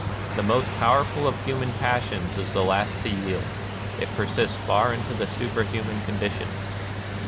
The most powerful of human passions is the last to yield : it persists far into superhuman con ditions.